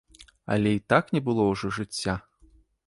Але і так не было ўжо жыцця.